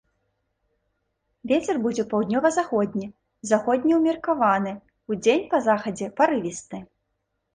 Вецер будзе паўднёва-заходні, заходні ўмеркаваны, удзень па захадзе парывісты.